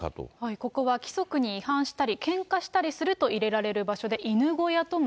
ここは規則に違反したり、けんかしたりすると入れられる場所